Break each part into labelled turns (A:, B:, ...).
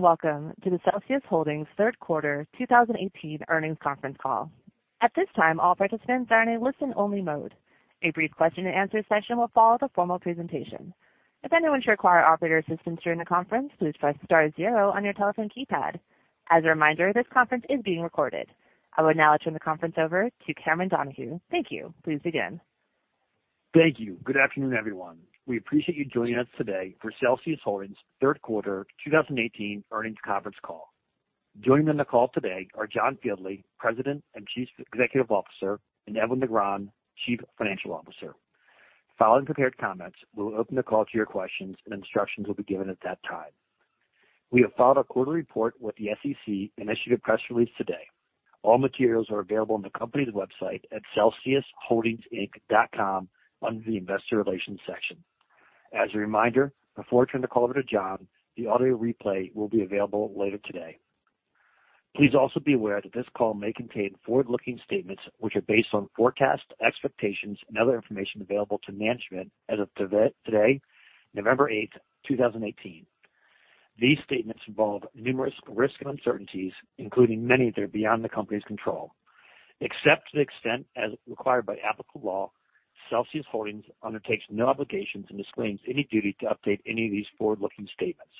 A: Welcome to the Celsius Holdings third quarter 2018 earnings conference call. At this time, all participants are in a listen-only mode. A brief question and answer session will follow the formal presentation. If anyone should require operator assistance during the conference, please press star zero on your telephone keypad. As a reminder, this conference is being recorded. I will now turn the conference over to Cameron Donahue. Thank you. Please begin.
B: Thank you. Good afternoon, everyone. We appreciate you joining us today for Celsius Holdings' third quarter 2018 earnings conference call. Joining on the call today are John Fieldly, President and Chief Executive Officer, and Edwin Negron-Carballo, Chief Financial Officer. Following prepared comments, we will open the call to your questions, and instructions will be given at that time. We have filed a quarterly report with the SEC and issued a press release today. All materials are available on the company's website at celsiusholdingsinc.com under the investor relations section. As a reminder, before I turn the call over to John, the audio replay will be available later today. Please also be aware that this call may contain forward-looking statements which are based on forecasts, expectations, and other information available to management as of today, November 8, 2018. These statements involve numerous risks and uncertainties, including many that are beyond the company's control. Except to the extent as required by applicable law, Celsius Holdings undertakes no obligations and disclaims any duty to update any of these forward-looking statements.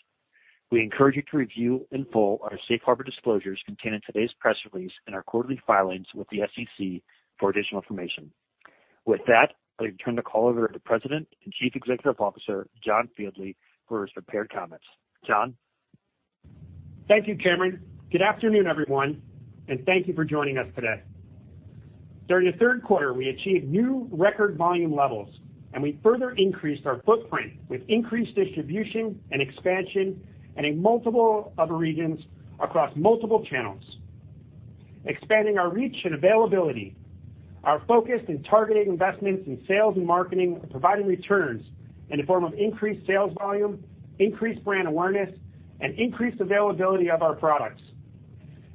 B: We encourage you to review in full our safe harbor disclosures contained in today's press release and our quarterly filings with the SEC for additional information. With that, I'll turn the call over to President and Chief Executive Officer, John Fieldly, for his prepared comments. John?
C: Thank you, Cameron. Good afternoon, everyone, and thank you for joining us today. During the third quarter, we achieved new record volume levels, and we further increased our footprint with increased distribution and expansion in multiple other regions across multiple channels. Expanding our reach and availability, our focus in targeting investments in sales and marketing are providing returns in the form of increased sales volume, increased brand awareness, and increased availability of our products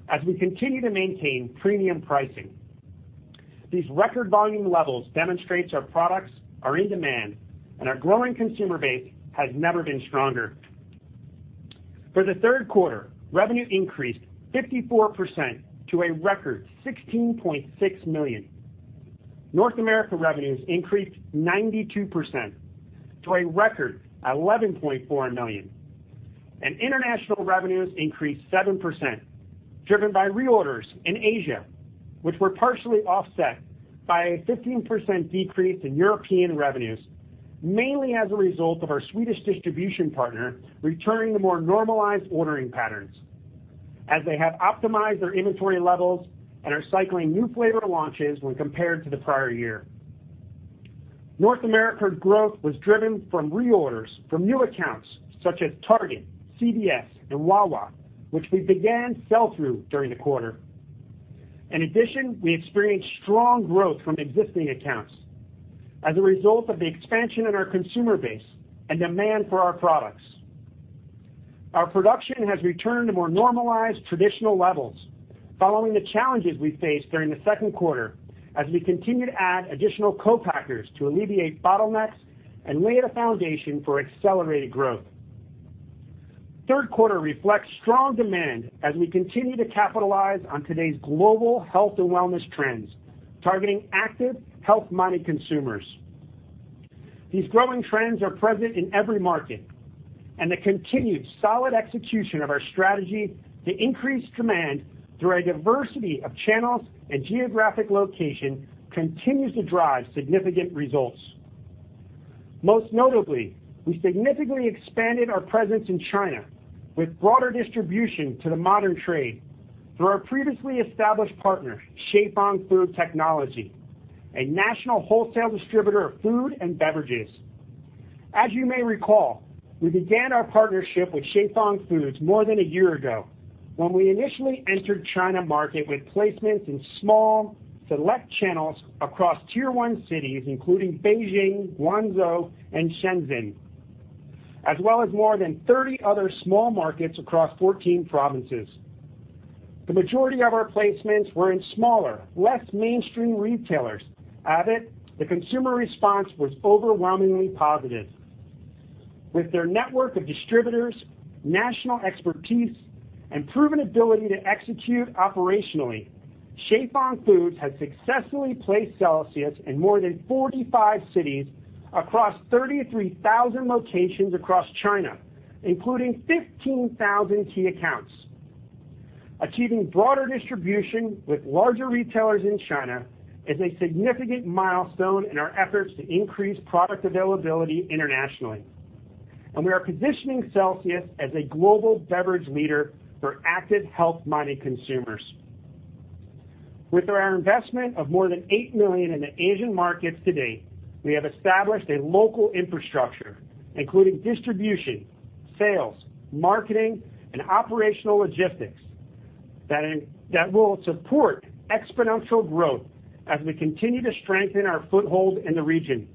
C: as we continue to maintain premium pricing. These record volume levels demonstrates our products are in demand, and our growing consumer base has never been stronger. For the third quarter, revenue increased 54% to a record $16.6 million. North America revenues increased 92% to a record $11.4 million, and international revenues increased 7%, driven by reorders in Asia, which were partially offset by a 15% decrease in European revenues, mainly as a result of our Swedish distribution partner returning to more normalized ordering patterns as they have optimized their inventory levels and are cycling new flavor launches when compared to the prior year. North America's growth was driven from reorders from new accounts such as Target, Consumer Value Stores, and Wawa, which we began sell-through during the quarter. In addition, we experienced strong growth from existing accounts as a result of the expansion in our consumer base and demand for our products. Our production has returned to more normalized, traditional levels following the challenges we faced during the second quarter as we continue to add additional co-packers to alleviate bottlenecks and lay the foundation for accelerated growth. Third quarter reflects strong demand as we continue to capitalize on today's global health and wellness trends, targeting active, health-minded consumers. These growing trends are present in every market, and the continued solid execution of our strategy to increase demand through a diversity of channels and geographic location continues to drive significant results. Most notably, we significantly expanded our presence in China with broader distribution to the modern trade through our previously established partner, Qifeng Food Technology, a national wholesale distributor of food and beverages. As you may recall, we began our partnership with Qifeng Food more than a year ago when we initially entered China market with placements in small, select channels across Tier 1 cities, including Beijing, Guangzhou, and Shenzhen, as well as more than 30 other small markets across 14 provinces. The majority of our placements were in smaller, less mainstream retailers, of it, the consumer response was overwhelmingly positive. With their network of distributors, national expertise, and proven ability to execute operationally, Qifeng Food has successfully placed Celsius in more than 45 cities across 33,000 locations across China, including 15,000 key accounts. Achieving broader distribution with larger retailers in China is a significant milestone in our efforts to increase product availability internationally. We are positioning Celsius as a global beverage leader for active health-minded consumers. With our investment of more than $8 million in the Asian markets to date, we have established a local infrastructure, including distribution, sales, marketing, and operational logistics that will support exponential growth as we continue to strengthen our foothold in the region.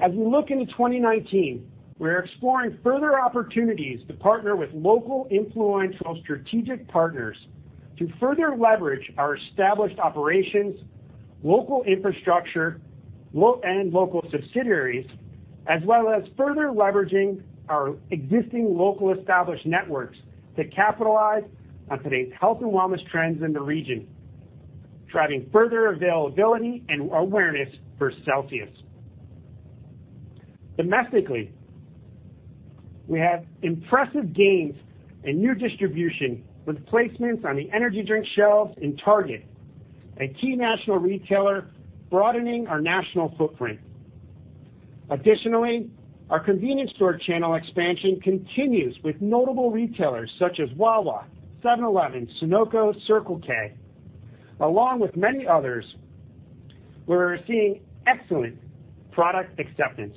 C: As we look into 2019, we are exploring further opportunities to partner with local influential strategic partners to further leverage our established operations local infrastructure and local subsidiaries, as well as further leveraging our existing local established networks to capitalize on today's health and wellness trends in the region, driving further availability and awareness for Celsius. Domestically, we have impressive gains in new distribution with placements on the energy drink shelves in Target, a key national retailer broadening our national footprint. Additionally, our convenience store channel expansion continues with notable retailers such as Wawa, 7-Eleven, Sunoco, Circle K, along with many others, we're seeing excellent product acceptance.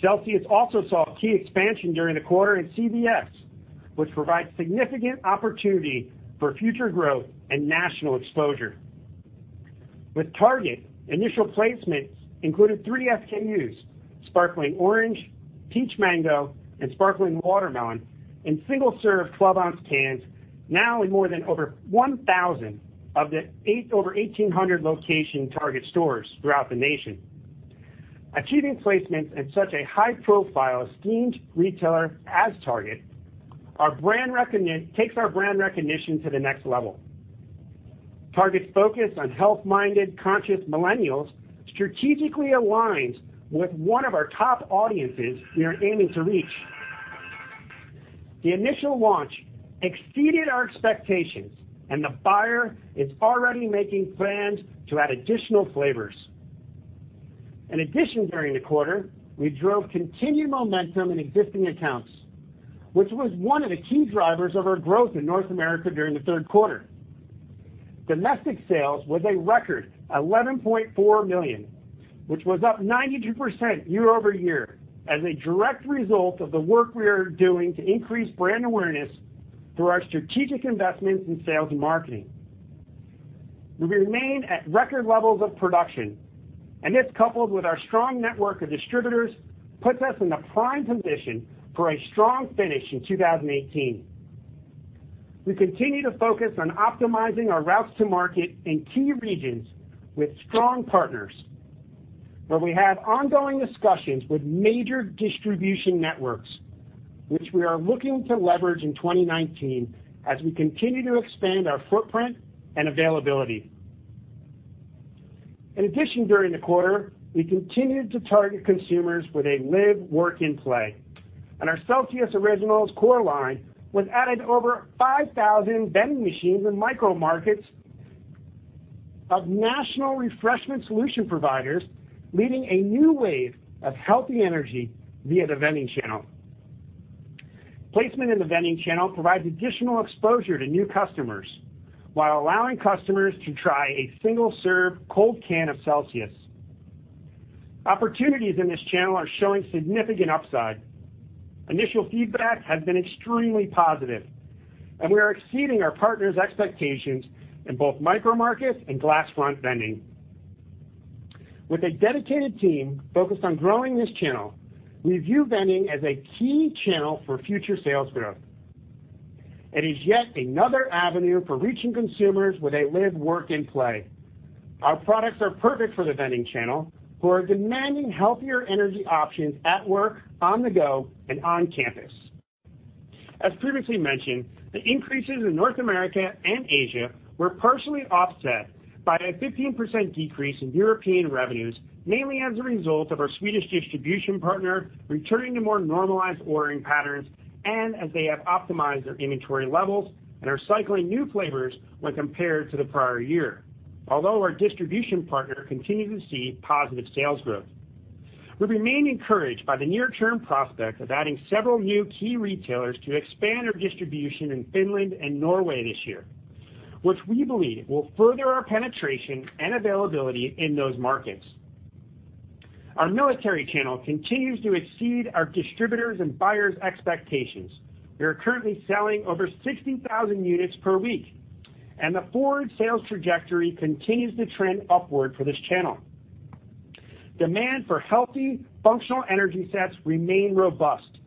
C: Celsius also saw key expansion during the quarter in CVS, which provides significant opportunity for future growth and national exposure. With Target, initial placements included three stock keeping units, Sparkling Orange, Peach Mango, and Sparkling Watermelon in single-serve 12-ounce cans now in more than over 1,000 of the over 1,800 location Target stores throughout the nation. Achieving placements at such a high-profile, esteemed retailer as Target takes our brand recognition to the next level. Target's focus on health-minded, conscious millennials strategically aligns with one of our top audiences we are aiming to reach. The initial launch exceeded our expectations, and the buyer is already making plans to add additional flavors. In addition, during the quarter, we drove continued momentum in existing accounts, which was one of the key drivers of our growth in North America during the third quarter. Domestic sales was a record $11.4 million, which was up 92% year-over-year as a direct result of the work we are doing to increase brand awareness through our strategic investments in sales and marketing. We remain at record levels of production, and this, coupled with our strong network of distributors, puts us in a prime position for a strong finish in 2018. We continue to focus on optimizing our routes to market in key regions with strong partners, where we have ongoing discussions with major distribution networks, which we are looking to leverage in 2019 as we continue to expand our footprint and availability. In addition, during the quarter, we continued to target consumers where they live, work, and play. Our CELSIUS Core line was added to over 5,000 vending machines and micro markets of national refreshment solution providers, leading a new wave of healthy energy via the vending channel. Placement in the vending channel provides additional exposure to new customers while allowing customers to try a single-serve cold can of Celsius. Opportunities in this channel are showing significant upside. Initial feedback has been extremely positive, and we are exceeding our partners' expectations in both micro markets and glass front vending. With a dedicated team focused on growing this channel, we view vending as a key channel for future sales growth. It is yet another avenue for reaching consumers where they live, work, and play. Our products are perfect for the vending channel who are demanding healthier energy options at work, on the go, and on campus. As previously mentioned, the increases in North America and Asia were partially offset by a 15% decrease in European revenues, mainly as a result of our Swedish distribution partner returning to more normalized ordering patterns and as they have optimized their inventory levels and are cycling new flavors when compared to the prior year. Although our distribution partner continues to see positive sales growth. We remain encouraged by the near-term prospect of adding several new key retailers to expand our distribution in Finland and Norway this year, which we believe will further our penetration and availability in those markets. Our military channel continues to exceed our distributors' and buyers' expectations. We are currently selling over 60,000 units per week, and the forward sales trajectory continues to trend upward for this channel. Demand for healthy functional energy sets remain robust.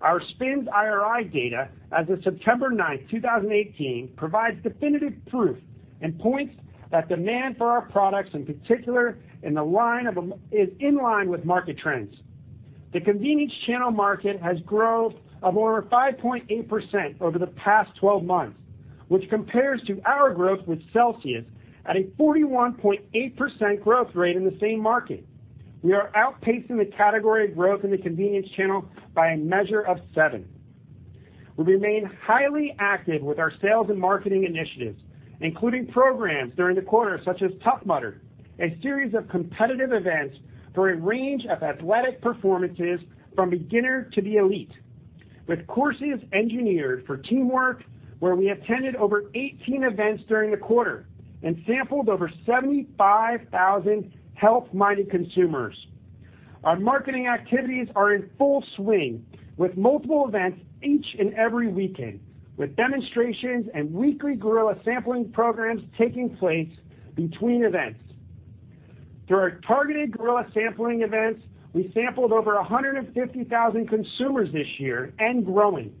C: Our SPINS IRI data as of September 9th, 2018, provides definitive proof and points that demand for our products in particular is in line with market trends. The convenience channel market has growth of over 5.8% over the past 12 months, which compares to our growth with Celsius at a 41.8% growth rate in the same market. We are outpacing the category growth in the convenience channel by a measure of seven. We remain highly active with our sales and marketing initiatives, including programs during the quarter such as Tough Mudder, a series of competitive events for a range of athletic performances from beginner to the elite. With courses engineered for teamwork, where we attended over 18 events during the quarter and sampled over 75,000 health-minded consumers. Our marketing activities are in full swing with multiple events each and every weekend, with demonstrations and weekly guerrilla sampling programs taking place between events. Through our targeted guerrilla sampling events, we sampled over 150,000 consumers this year and growing.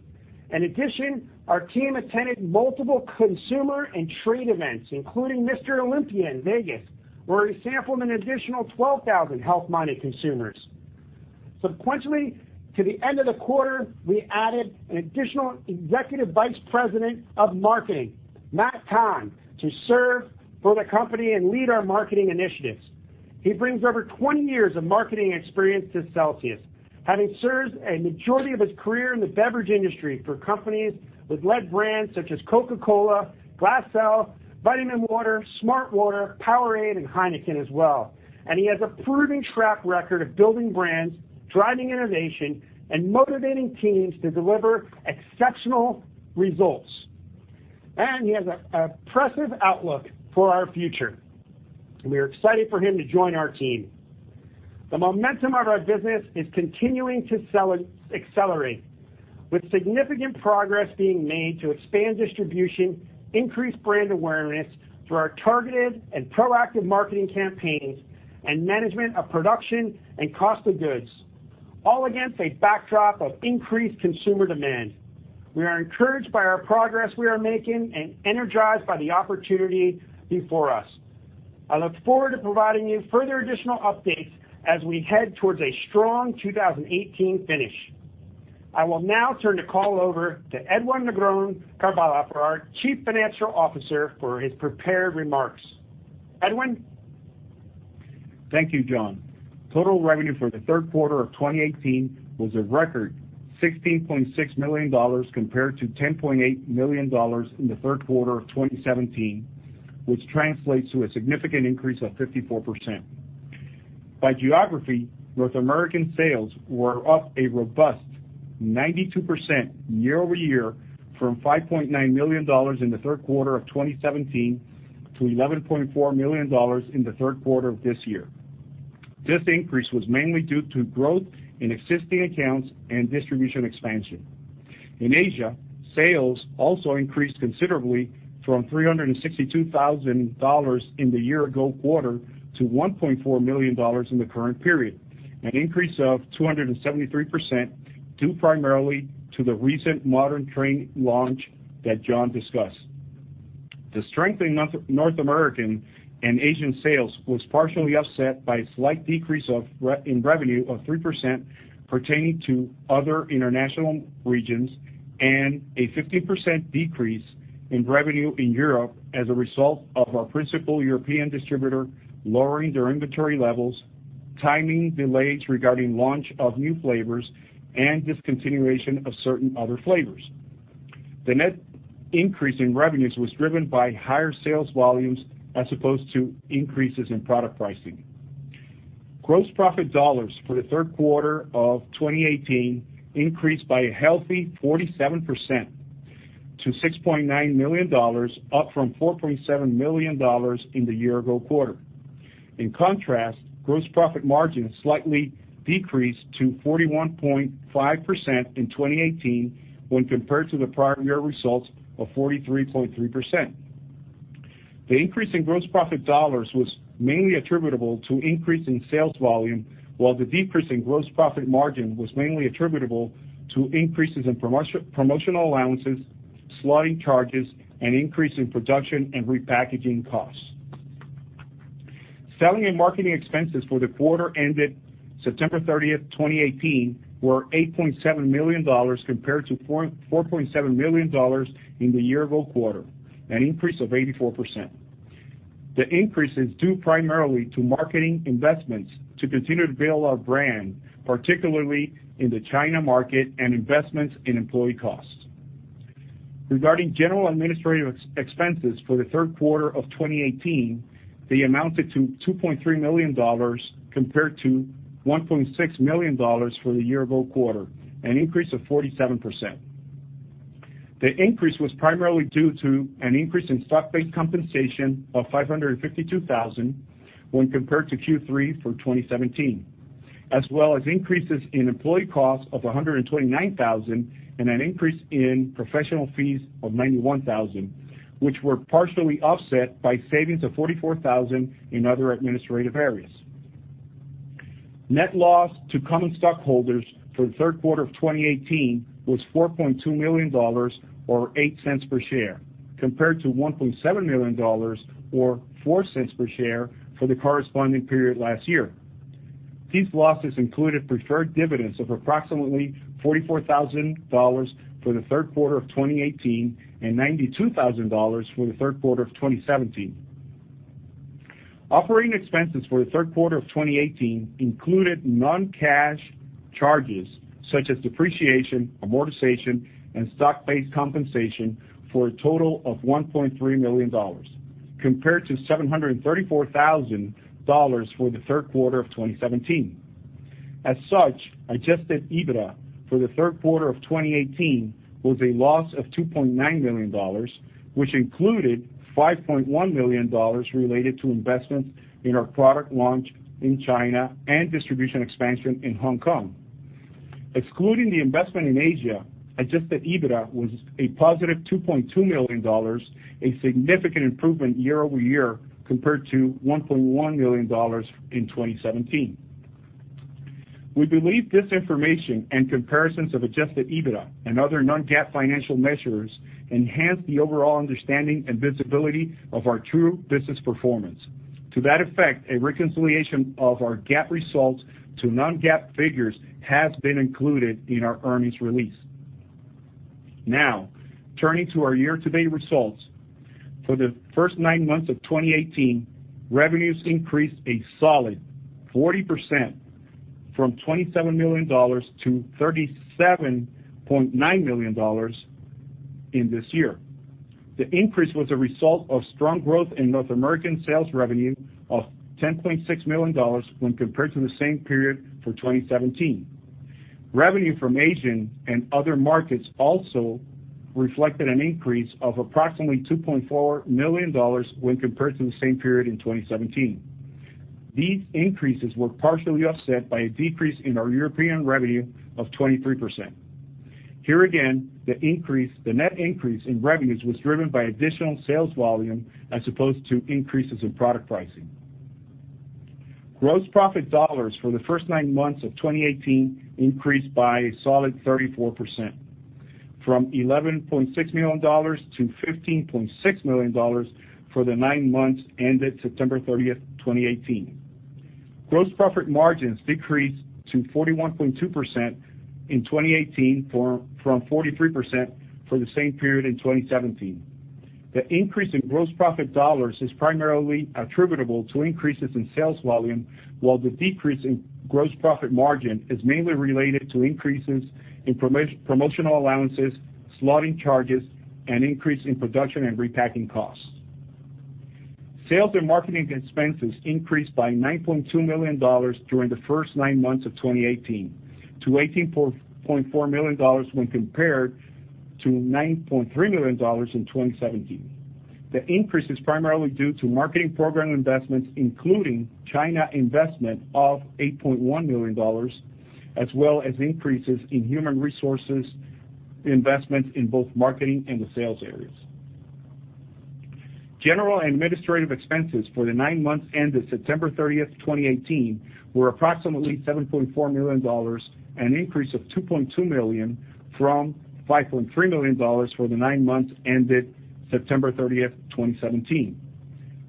C: In addition, our team attended multiple consumer and trade events, including Mr. Olympia in Vegas, where we sampled an additional 12,000 health-minded consumers. Subsequently, to the end of the quarter, we added an additional Executive Vice President of Marketing, Matt Kahn, to serve for the company and lead our marketing initiatives. He brings over 20 years of marketing experience to Celsius, having served a majority of his career in the beverage industry for companies with led brands such as Coca-Cola, Glaceau, vitaminwater, smartwater, POWERADE, and Heineken as well. He has a proven track record of building brands, driving innovation, and motivating teams to deliver exceptional results. He has a impressive outlook for our future, and we are excited for him to join our team. The momentum of our business is continuing to accelerate, with significant progress being made to expand distribution, increase brand awareness through our targeted and proactive marketing campaigns, and management of production and cost of goods, all against a backdrop of increased consumer demand. We are encouraged by our progress we are making and energized by the opportunity before us. I look forward to providing you further additional updates as we head towards a strong 2018 finish. I will now turn the call over to Edwin Negron-Carballo, our Chief Financial Officer, for his prepared remarks. Edwin?
D: Thank you, John. Total revenue for the third quarter of 2018 was a record $16.6 million compared to $10.8 million in the third quarter of 2017, which translates to a significant increase of 54%. By geography, North American sales were up a robust 92% year-over-year from $5.9 million in the third quarter of 2017 to $11.4 million in the third quarter of this year. This increase was mainly due to growth in existing accounts and distribution expansion. In Asia, sales also increased considerably from $362,000 in the year ago quarter to $1.4 million in the current period, an increase of 273% due primarily to the recent modern trade launch that John discussed. The strength in North American and Asian sales was partially offset by a slight decrease in revenue of 3% pertaining to other international regions and a 15% decrease in revenue in Europe as a result of our principal European distributor lowering their inventory levels, timing delays regarding launch of new flavors, and discontinuation of certain other flavors. The net increase in revenues was driven by higher sales volumes as opposed to increases in product pricing. Gross profit dollars for the third quarter of 2018 increased by a healthy 47% to $6.9 million, up from $4.7 million in the year ago quarter. In contrast, gross profit margin slightly decreased to 41.5% in 2018 when compared to the prior year results of 43.3%. The increase in gross profit dollars was mainly attributable to increase in sales volume, while the decrease in gross profit margin was mainly attributable to increases in promotional allowances, slotting charges, and increase in production and repackaging costs. Selling and marketing expenses for the quarter ended September 30, 2018, were $8.7 million compared to $4.7 million in the year ago quarter, an increase of 84%. The increase is due primarily to marketing investments to continue to build our brand, particularly in the China market and investments in employee costs. Regarding general administrative expenses for the third quarter of 2018, they amounted to $2.3 million compared to $1.6 million for the year ago quarter, an increase of 47%. The increase was primarily due to an increase in stock-based compensation of $552,000 when compared to Q3 for 2017, as well as increases in employee costs of $129,000 and an increase in professional fees of $91,000, which were partially offset by savings of $44,000 in other administrative areas. Net loss to common stockholders for the third quarter of 2018 was $4.2 million, or $0.08 per share, compared to $1.7 million or $0.04 per share for the corresponding period last year. These losses included preferred dividends of approximately $44,000 for the third quarter of 2018 and $92,000 for the third quarter of 2017. Operating expenses for the third quarter of 2018 included non-cash charges such as depreciation, amortization, and stock-based compensation for a total of $1.3 million, compared to $734,000 for the third quarter of 2017. Adjusted EBITDA for the third quarter of 2018 was a loss of $2.9 million, which included $5.1 million related to investments in our product launch in China and distribution expansion in Hong Kong. Excluding the investment in Asia, adjusted EBITDA was a positive $2.2 million, a significant improvement year-over-year compared to $1.1 million in 2017. We believe this information and comparisons of adjusted EBITDA and other non-GAAP financial measures enhance the overall understanding and visibility of our true business performance. To that effect, a reconciliation of our GAAP results to non-GAAP figures has been included in our earnings release. Turning to our year-to-date results. For the first nine months of 2018, revenues increased a solid 40%, from $27 million to $37.9 million in this year. The increase was a result of strong growth in North American sales revenue of $10.6 million when compared to the same period for 2017. Revenue from Asian and other markets also reflected an increase of approximately $2.4 million when compared to the same period in 2017. These increases were partially offset by a decrease in our European revenue of 23%. Here again, the net increase in revenues was driven by additional sales volume as opposed to increases in product pricing. Gross profit dollars for the first nine months of 2018 increased by a solid 34%, from $11.6 million to $15.6 million for the nine months ended September 30th, 2018. Gross profit margins decreased to 41.2% in 2018 from 43% for the same period in 2017. The increase in gross profit dollars is primarily attributable to increases in sales volume, while the decrease in gross profit margin is mainly related to increases in promotional allowances, slotting charges, and increase in production and repacking costs. Sales and marketing expenses increased by $9.2 million during the first nine months of 2018, to $18.4 million when compared to $9.3 million in 2017. The increase is primarily due to marketing program investments, including China investment of $8.1 million, as well as increases in human resources investments in both marketing and the sales areas. General and administrative expenses for the nine months ended September 30th, 2018, were approximately $7.4 million, an increase of $2.2 million from $5.3 million for the nine months ended September 30th, 2017.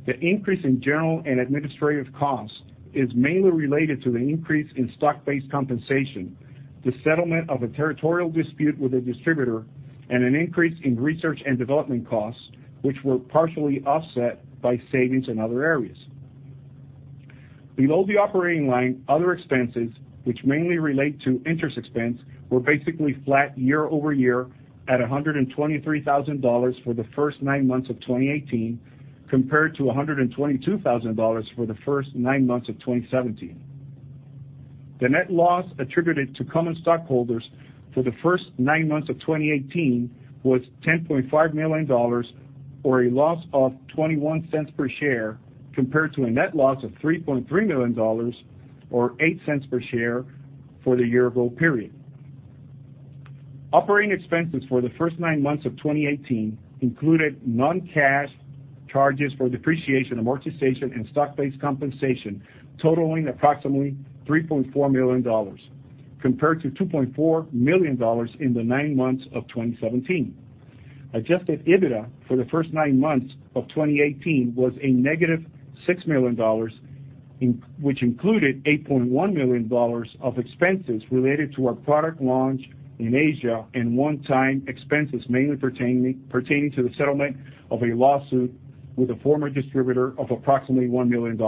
D: The increase in general and administrative costs is mainly related to the increase in stock-based compensation, the settlement of a territorial dispute with a distributor, and an increase in research and development costs, which were partially offset by savings in other areas. Below the operating line, other expenses, which mainly relate to interest expense, were basically flat year-over-year at $123,000 for the first nine months of 2018, compared to $122,000 for the first nine months of 2017. The net loss attributed to common stockholders for the first nine months of 2018 was $10.5 million, or a loss of $0.21 per share, compared to a net loss of $3.3 million, or $0.08 per share for the year-ago period. Operating expenses for the first nine months of 2018 included non-cash charges for depreciation, amortization, and stock-based compensation totaling approximately $3.4 million, compared to $2.4 million in the nine months of 2017. Adjusted EBITDA for the first nine months of 2018 was a negative $6 million, which included $8.1 million of expenses related to our product launch in Asia and one-time expenses mainly pertaining to the settlement of a lawsuit with a former distributor of approximately $1 million.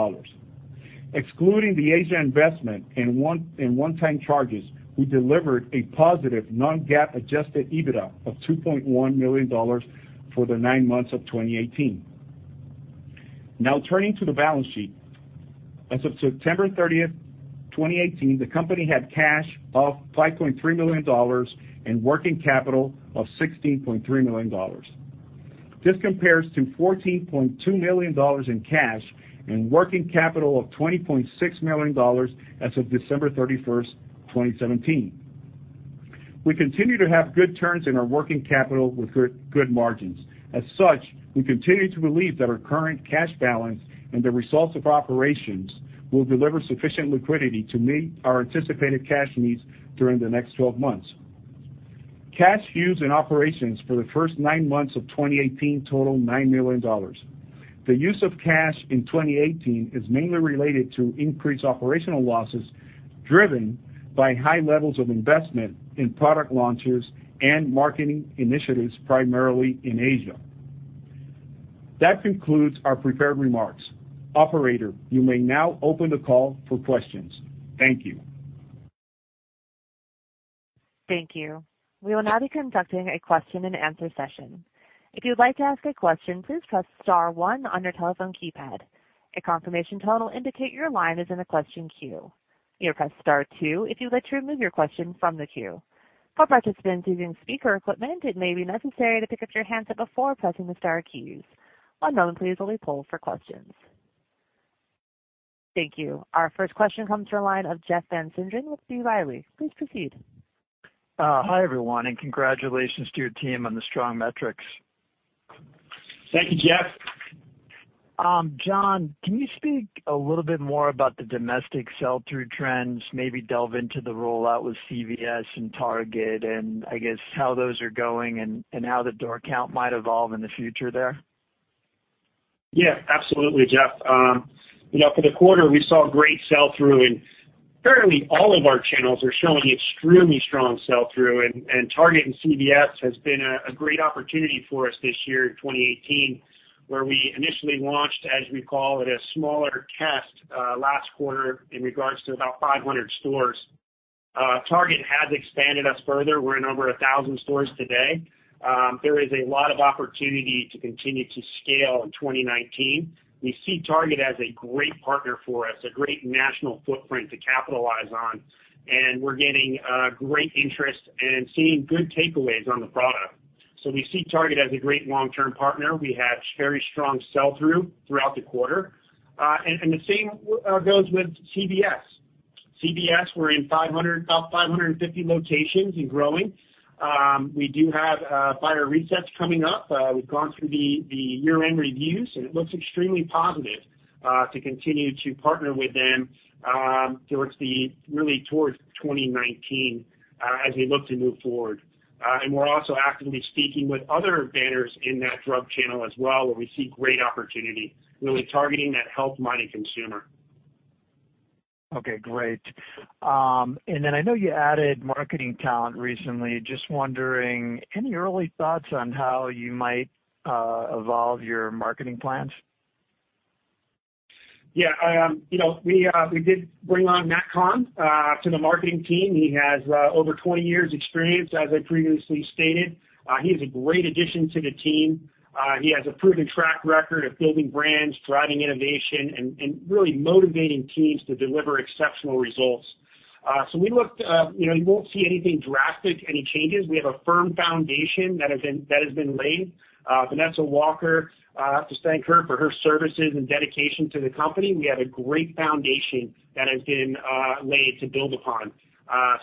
D: Excluding the Asia investment in one-time charges, we delivered a positive non-GAAP adjusted EBITDA of $2.1 million for the nine months of 2018. Now, turning to the balance sheet. As of September 30th, 2018, the company had cash of $5.3 million and working capital of $16.3 million. This compares to $14.2 million in cash and working capital of $20.6 million as of December 31st, 2017. We continue to have good turns in our working capital with good margins. As such, we continue to believe that our current cash balance and the results of operations will deliver sufficient liquidity to meet our anticipated cash needs during the next 12 months. Cash used in operations for the first nine months of 2018 totaled $9 million. The use of cash in 2018 is mainly related to increased operational losses driven by high levels of investment in product launches and marketing initiatives, primarily in Asia. That concludes our prepared remarks. Operator, you may now open the call for questions. Thank you.
A: Thank you. We will now be conducting a question and answer session. If you would like to ask a question, please press star one on your telephone keypad. A confirmation tone will indicate your line is in the question queue. You'll press star two if you'd like to remove your question from the queue. For participants using speaker equipment, it may be necessary to pick up your handset before pressing the star keys. One moment please while we poll for questions. Thank you. Our first question comes from the line of Jeff Van Sinderen with B. Riley FBR. Please proceed.
E: Hi, everyone, and congratulations to your team on the strong metrics.
C: Thank you, Jeff.
E: John, can you speak a little bit more about the domestic sell-through trends, maybe delve into the rollout with CVS and Target, and I guess how those are going and how the door count might evolve in the future there?
C: Yeah, absolutely, Jeff. For the quarter, we saw great sell-through. Currently all of our channels are showing extremely strong sell-through. Target and CVS has been a great opportunity for us this year in 2018, where we initially launched, as we call it, a smaller test, last quarter in regards to about 500 stores. Target has expanded us further. We're in over 1,000 stores today. There is a lot of opportunity to continue to scale in 2019. We see Target as a great partner for us, a great national footprint to capitalize on, and we're getting great interest and seeing good takeaways on the product. We see Target as a great long-term partner. We had very strong sell-through throughout the quarter. The same goes with CVS. CVS, we're in about 550 locations and growing. We do have buyer resets coming up. We've gone through the year-end reviews, and it looks extremely positive to continue to partner with them towards 2019, as we look to move forward. We're also actively speaking with other banners in that drug channel as well, where we see great opportunity, really targeting that health-minded consumer.
E: Okay, great. Then I know you added marketing talent recently. Just wondering, any early thoughts on how you might evolve your marketing plans?
C: Yeah. We did bring on Matt Kahn to the marketing team. He has over 20 years experience, as I previously stated. He is a great addition to the team. He has a proven track record of building brands, driving innovation, and really motivating teams to deliver exceptional results. You won't see anything drastic, any changes. We have a firm foundation that has been laid. Vanessa Walker, I have to thank her for her services and dedication to the company. We have a great foundation that has been laid to build upon.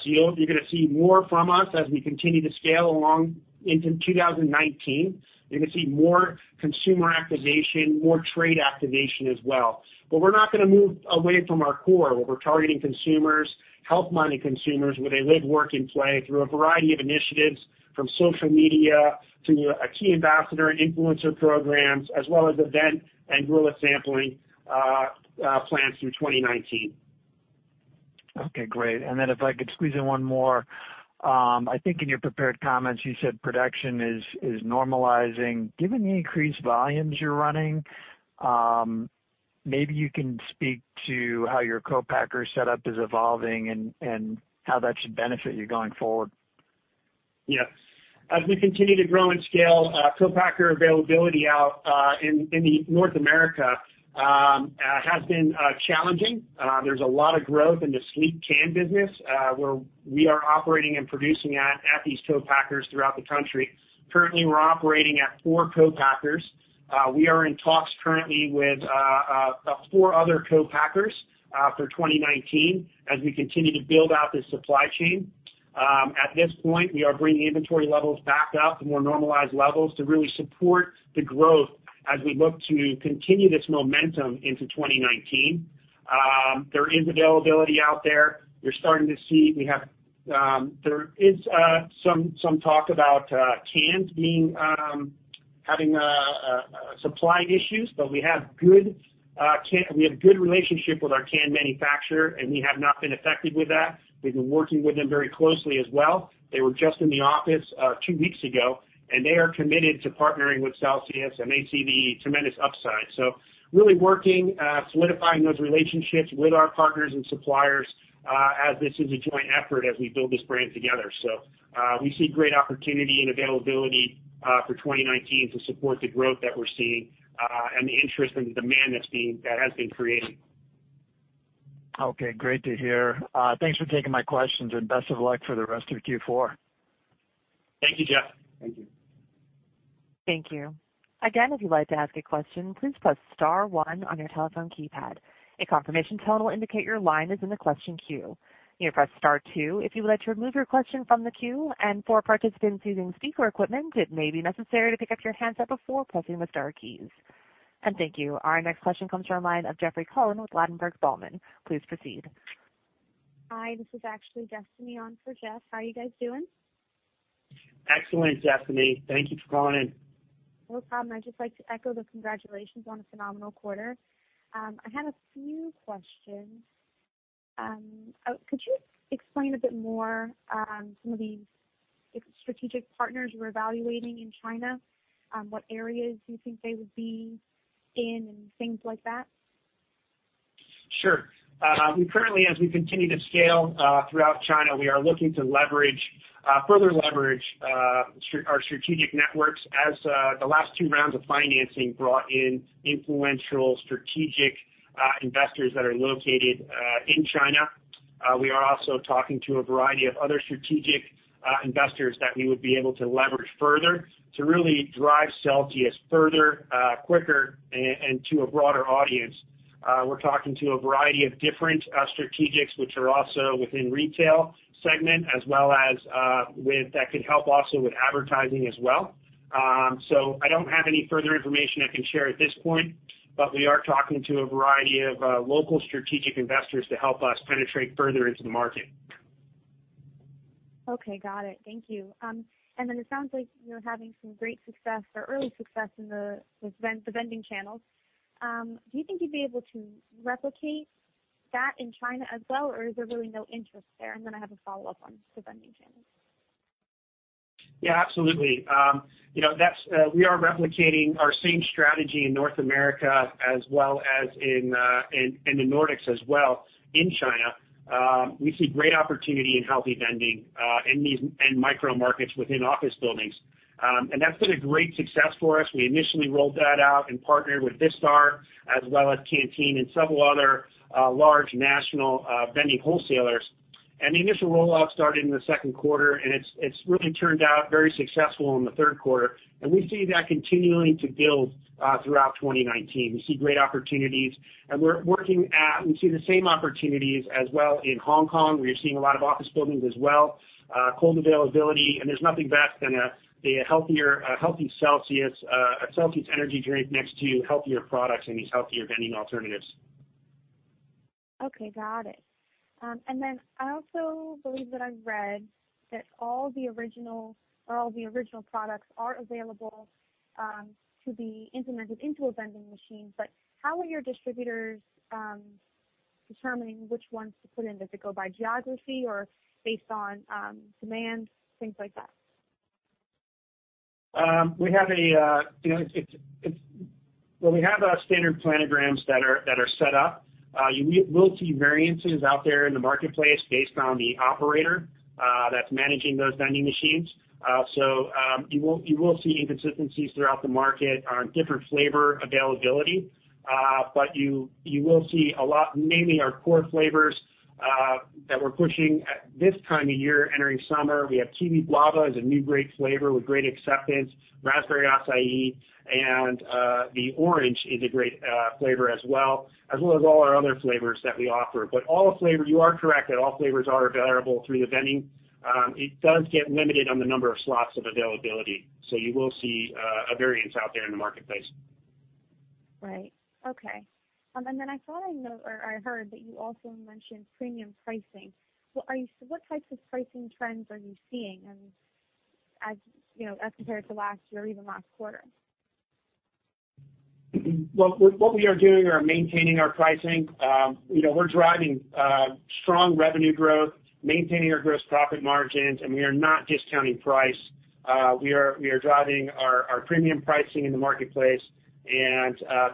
C: You're going to see more from us as we continue to scale along into 2019. You're going to see more consumer activation, more trade activation as well. We're not going to move away from our core, where we're targeting consumers, health-minded consumers, where they live, work, and play through a variety of initiatives from social media to a key ambassador influencer programs, as well as event and guerrilla sampling plans through 2019.
E: Okay, great. If I could squeeze in one more. I think in your prepared comments, you said production is normalizing. Given the increased volumes you're running, maybe you can speak to how your co-packer set up is evolving and how that should benefit you going forward?
C: Yes. As we continue to grow and scale, co-packer availability out in North America has been challenging. There's a lot of growth in the sleek can business, where we are operating and producing at these co-packers throughout the country. Currently, we're operating at four co-packers. We are in talks currently with four other co-packers for 2019 as we continue to build out this supply chain. At this point, we are bringing inventory levels back up to more normalized levels to really support the growth as we look to continue this momentum into 2019. There is availability out there. There is some talk about cans having supply issues, we have a good relationship with our can manufacturer, and we have not been affected with that. We've been working with them very closely as well. They were just in the office two weeks ago, and they are committed to partnering with Celsius and they see the tremendous upside. Really working, solidifying those relationships with our partners and suppliers, as this is a joint effort as we build this brand together. We see great opportunity and availability for 2019 to support the growth that we're seeing, and the interest and the demand that has been created.
E: Okay. Great to hear. Thanks for taking my questions and best of luck for the rest of Q4.
C: Thank you, Jeff.
E: Thank you.
A: Thank you. Again, if you'd like to ask a question, please press star one on your telephone keypad. A confirmation tone will indicate your line is in the question queue. You may press star two if you would like to remove your question from the queue, and for participants using speaker equipment, it may be necessary to pick up your handset before pressing the star keys. Thank you. Our next question comes from the line of Jeffrey Cohen with Ladenburg Thalmann. Please proceed.
F: Hi, this is actually Destiny Bush on for Jeff. How are you guys doing?
C: Excellent, Destiny. Thank you for calling in.
F: No problem. I'd just like to echo the congratulations on a phenomenal quarter. I had a few questions. Could you explain a bit more some of these strategic partners you were evaluating in China? What areas do you think they would be in and things like that?
C: Sure. We currently, as we continue to scale throughout China, we are looking to further leverage our strategic networks as the last two rounds of financing brought in influential strategic investors that are located in China. We are also talking to a variety of other strategic investors that we would be able to leverage further to really drive Celsius quicker, and to a broader audience. We're talking to a variety of different strategics, which are also within retail segment as well as That could help also with advertising as well. I don't have any further information I can share at this point, but we are talking to a variety of local strategic investors to help us penetrate further into the market.
F: Okay, got it. Thank you. It sounds like you're having some great success or early success in the vending channels. Do you think you'd be able to replicate that in China as well, or is there really no interest there? I have a follow-up on the vending channels.
C: Yeah, absolutely. We are replicating our same strategy in North America as well as in the Nordics as well in China. We see great opportunity in healthy vending and micro markets within office buildings. That's been a great success for us. We initially rolled that out and partnered with Vistar as well as Canteen and several other large national vending wholesalers. The initial rollout started in the second quarter, it's really turned out very successful in the third quarter, we see that continuing to build throughout 2019. We see great opportunities, We see the same opportunities as well in Hong Kong. We are seeing a lot of office buildings as well, cold availability, there's nothing better than a healthy Celsius energy drink next to healthier products in these healthier vending alternatives.
F: Okay. Got it. I also believe that I've read that all the original products are available to be implemented into a vending machine. How are your distributors determining which ones to put in? Does it go by geography or based on demand, things like that?
C: Well, we have standard planograms that are set up. You will see variances out there in the marketplace based on the operator that's managing those vending machines. You will see inconsistencies throughout the market on different flavor availability. You will see a lot, mainly our core flavors, that we're pushing at this time of year entering summer. We have Kiwi Guava is a new great flavor with great acceptance. Raspberry Acai and the Orange is a great flavor as well, as well as all our other flavors that we offer. You are correct that all flavors are available through the vending. It does get limited on the number of slots of availability. You will see a variance out there in the marketplace.
F: Right. Okay. I thought I heard that you also mentioned premium pricing. What types of pricing trends are you seeing as compared to last year or even last quarter?
C: What we are doing are maintaining our pricing. We're driving strong revenue growth, maintaining our gross profit margins, we are not discounting price. We are driving our premium pricing in the marketplace,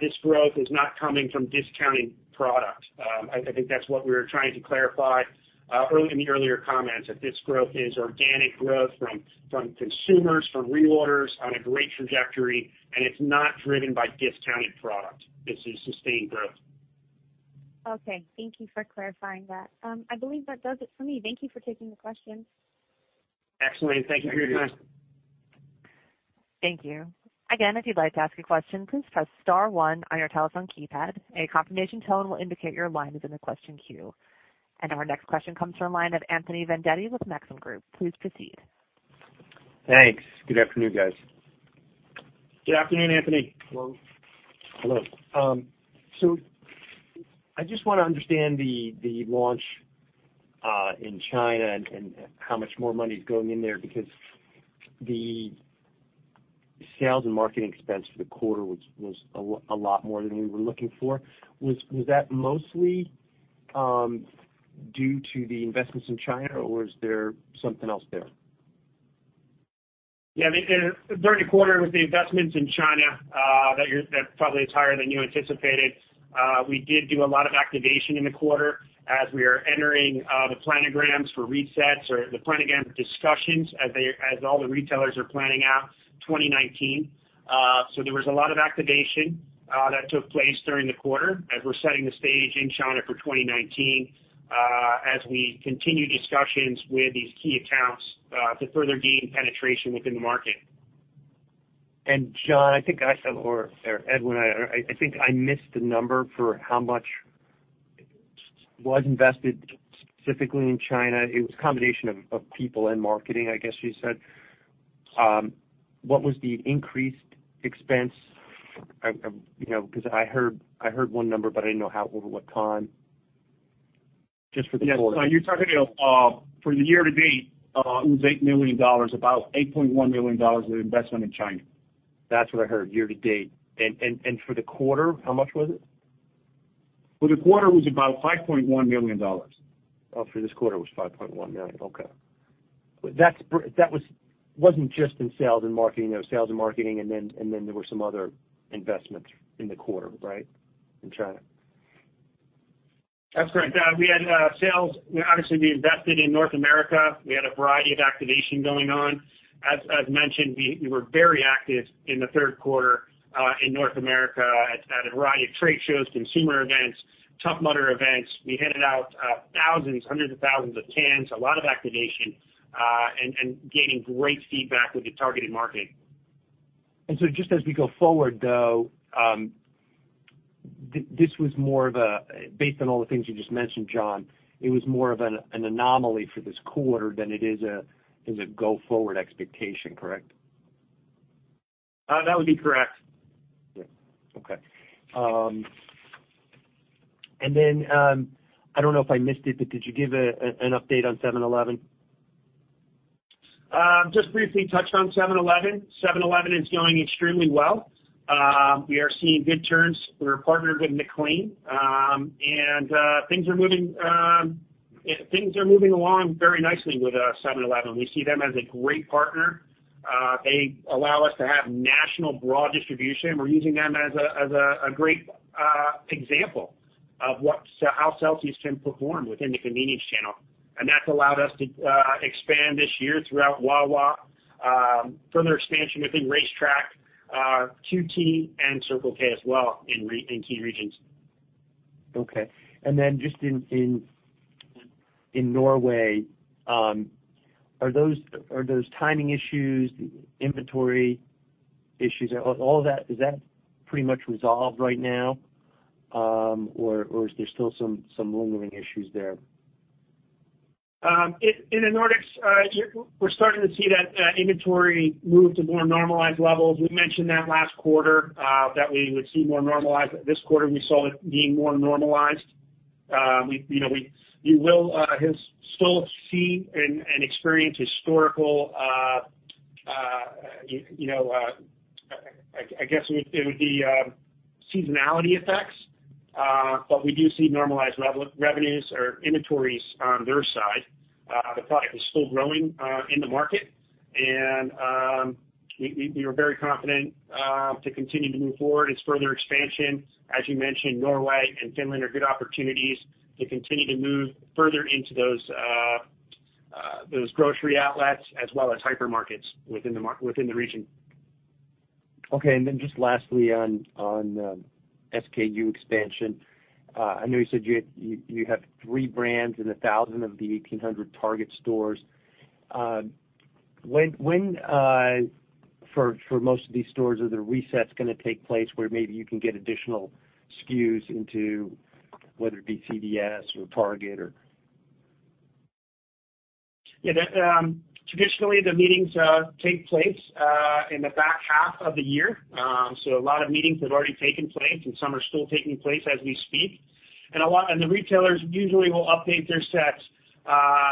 C: this growth is not coming from discounting product. I think that's what we were trying to clarify in the earlier comments, that this growth is organic growth from consumers, from reorders on a great trajectory, it's not driven by discounted product. This is sustained growth.
F: Okay. Thank you for clarifying that. I believe that does it for me. Thank you for taking the questions.
C: Excellent. Thank you for your time.
A: Thank you. If you'd like to ask a question, please press star one on your telephone keypad. A confirmation tone will indicate your line is in the question queue. Our next question comes from the l toine of Anthony Vendetti with Maxim Group. Please proceed.
G: Thanks. Good afternoon, guys.
C: Good afternoon, Anthony.
G: Hello. I just want to understand the launch in China and how much more money is going in there because the sales and marketing expense for the quarter was a lot more than we were looking for. Was that mostly due to the investments in China, or was there something else there?
C: During the quarter with the investments in China, that probably is higher than you anticipated. We did do a lot of activation in the quarter as we are entering the planograms for resets or the planogram discussions as all the retailers are planning out 2019. There was a lot of activation that took place during the quarter as we're setting the stage in China for 2019 as we continue discussions with these key accounts to further gain penetration within the market.
G: John, I think I said, or Edwin, I think I missed the number for how much was invested specifically in China. It was a combination of people and marketing, I guess you said. What was the increased expense? Because I heard one number, but I didn't know how over what time, just for the quarter.
C: You're talking about for the year to date, it was $8 million, about $8.1 million of investment in China.
G: That's what I heard year to date. For the quarter, how much was it?
C: For the quarter was about $5.1 million.
G: For this quarter was $5.1 million. Okay. That wasn't just in sales and marketing, there was sales and marketing, and then there were some other investments in the quarter, right? In China.
C: That's correct. We had sales. Obviously, we invested in North America. We had a variety of activation going on. As mentioned, we were very active in the third quarter in North America at a variety of trade shows, consumer events. Tough Mudder events. We handed out thousands, hundreds of thousands of cans, a lot of activation, and gaining great feedback with the targeted marketing.
G: Just as we go forward, though, based on all the things you just mentioned, John, it was more of an anomaly for this quarter than it is a go forward expectation, correct?
C: That would be correct.
G: Yeah. Okay. I don't know if I missed it, but did you give an update on 7-Eleven?
C: Just briefly touched on 7-Eleven. 7-Eleven is going extremely well. We are seeing good turns. We are partnered with McLane. Things are moving along very nicely with 7-Eleven. We see them as a great partner. They allow us to have national broad distribution. We're using them as a great example of how Celsius can perform within the convenience channel. That's allowed us to expand this year throughout Wawa, further expansion within RaceTrac, QT, and Circle K as well in key regions.
G: Okay. Just in Norway, are those timing issues, inventory issues, all that, is that pretty much resolved right now? Or is there still some lingering issues there?
C: In the Nordics, we're starting to see that inventory move to more normalized levels. We mentioned that last quarter, that we would see more normalized. This quarter, we saw it being more normalized. We will still see and experience historical, I guess, it would be seasonality effects, but we do see normalized revenues or inventories on their side. The product is still growing in the market, and we are very confident to continue to move forward. Its further expansion, as you mentioned, Norway and Finland are good opportunities to continue to move further into those grocery outlets as well as hypermarkets within the region.
G: Okay, just lastly on SKU expansion. I know you said you have three brands in 1,000 of the 1,800 Target stores. When, for most of these stores, are the resets going to take place where maybe you can get additional SKUs into whether it be CVS or Target?
C: Yeah. Traditionally, the meetings take place in the back half of the year. A lot of meetings have already taken place, and some are still taking place as we speak. The retailers usually will update their sets,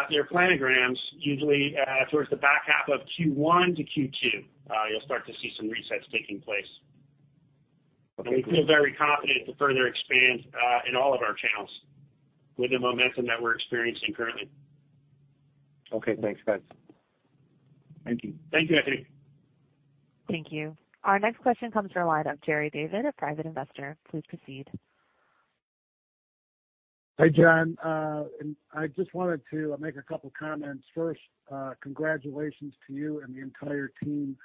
C: their planograms, usually towards the back half of Q1 to Q2, you'll start to see some resets taking place.
G: Okay, great.
C: We feel very confident to further expand in all of our channels with the momentum that we're experiencing currently.
G: Okay. Thanks, guys.
C: Thank you.
D: Thank you, Anthony.
A: Thank you. Our next question comes from the line of Gerry David, a private investor. Please proceed.
H: Hi, John. I just wanted to make a couple of comments. First, congratulations to you and the entire team.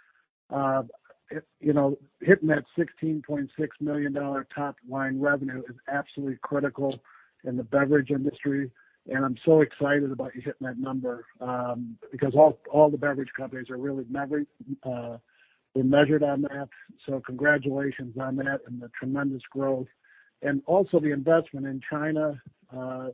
H: Hitting that $16.6 million top line revenue is absolutely critical in the beverage industry, and I'm so excited about you hitting that number, because all the beverage companies are really measured on that. Congratulations on that and the tremendous growth. Also the investment in China, to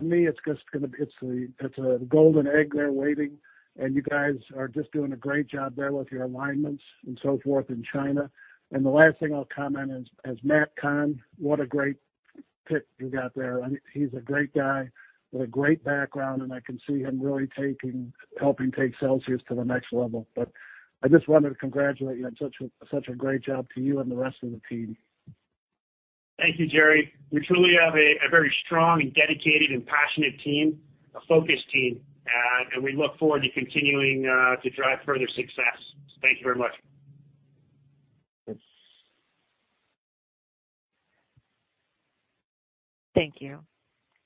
H: me, it's a golden egg there waiting, and you guys are just doing a great job there with your alignments and so forth in China. The last thing I'll comment is, as Matt Kahn, what a great pick you got there. He's a great guy with a great background, and I can see him really helping take Celsius to the next level. I just wanted to congratulate you on such a great job to you and the rest of the team.
C: Thank you, Jerry. We truly have a very strong and dedicated and passionate team, a focused team. We look forward to continuing to drive further success. Thank you very much.
H: Thanks.
A: Thank you.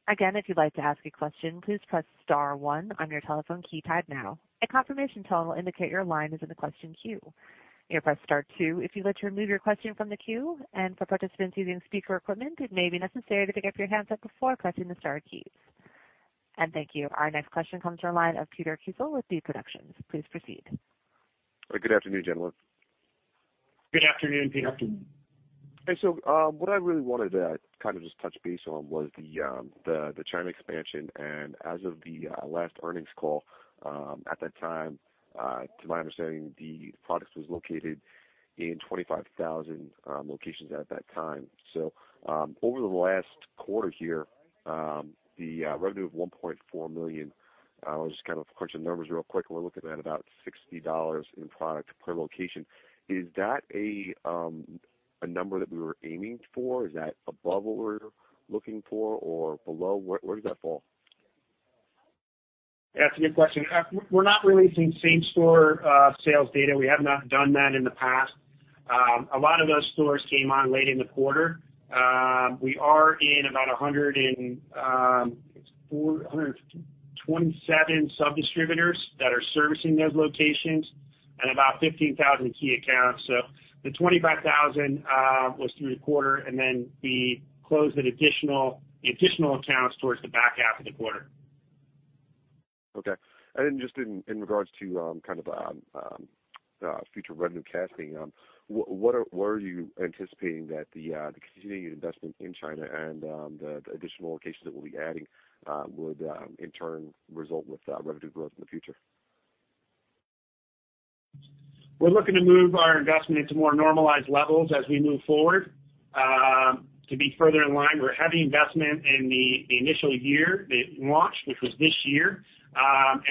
A: Again, if you'd like to ask a question, please press star one on your telephone keypad now. A confirmation tone will indicate your line is in the question queue. You may press star two if you'd like to remove your question from the queue, and for participants using speaker equipment, it may be necessary to pick up your handset before pressing the star keys. Thank you. Our next question comes from the line of Peter Wang with Z-Production. Please proceed.
I: Good afternoon, gentlemen.
C: Good afternoon, Peter.
D: Good afternoon.
I: What I really wanted to kind of just touch base on was the China expansion. As of the last earnings call, at that time, to my understanding, the product was located in 25,000 locations at that time. Over the last quarter here, the revenue of $1.4 million, I was just kind of crunching numbers real quick, and we're looking at about $60 in product per location. Is that a number that we were aiming for? Is that above what we're looking for or below? Where does that fall?
C: That's a good question. We're not releasing same store sales data. We have not done that in the past. A lot of those stores came on late in the quarter. We are in about 127 sub distributors that are servicing those locations. And about 15,000 key accounts. The 25,000 was through the quarter, then we closed the additional accounts towards the back half of the quarter.
I: Okay. Just in regards to future revenue casting, where are you anticipating that the continuing investment in China and the additional locations that we'll be adding would in turn result with revenue growth in the future?
C: We're looking to move our investment into more normalized levels as we move forward. To be further in line, we're heavy investment in the initial year, the launch, which was this year.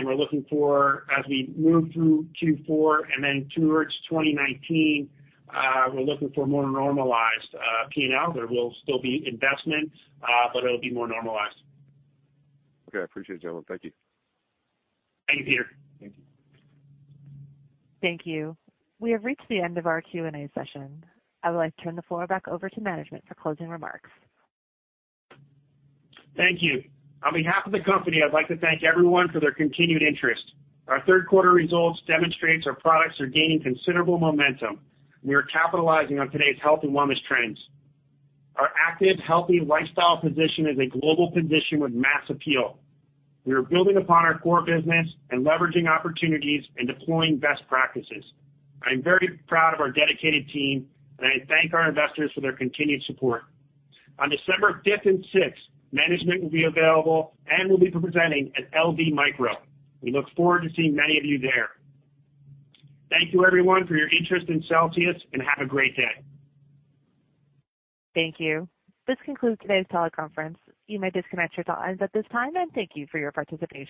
C: We're looking for as we move through Q4 and then towards 2019, we're looking for more normalized P&L. There will still be investment, but it'll be more normalized.
I: Okay. I appreciate it, John. Thank you.
C: Thank you, Peter.
I: Thank you.
A: Thank you. We have reached the end of our Q&A session. I would like to turn the floor back over to management for closing remarks.
C: Thank you. On behalf of the company, I'd like to thank everyone for their continued interest. Our third quarter results demonstrates our products are gaining considerable momentum. We are capitalizing on today's health and wellness trends. Our active, healthy lifestyle position is a global position with mass appeal. We are building upon our core business and leveraging opportunities and deploying best practices. I am very proud of our dedicated team, and I thank our investors for their continued support. On December fifth and sixth, management will be available and will be presenting at LD Micro. We look forward to seeing many of you there. Thank you everyone for your interest in Celsius, and have a great day.
A: Thank you. This concludes today's teleconference. You may disconnect your lines at this time, and thank you for your participation.